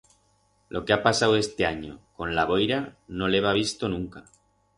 Lo que ha pasau este anyo con la boira no l'heba visto nunca.